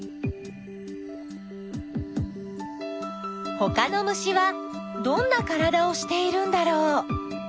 ほかの虫はどんなからだをしているんだろう？